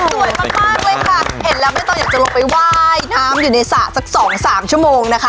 สวยมากเลยค่ะเห็นแล้วไม่ต้องอยากจะลงไปว่ายน้ำอยู่ในสระสักสองสามชั่วโมงนะคะ